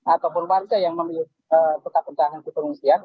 ataupun warga yang memiliki tetap pertahanan ke pengungsian